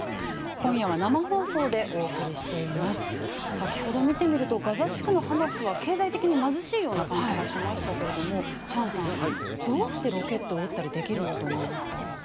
先ほど見てみるとガザ地区のハマスは経済的に貧しいような感じがしましたがチャンさん、どうしてロケットを撃ったりできるんだと思いますか。